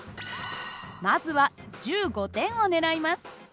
まずは１５点を狙います。